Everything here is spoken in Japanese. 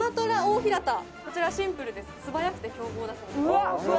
こちらシンプルです素早くて凶暴だそうです